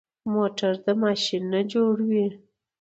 موټر د ماشین نه جوړ وي.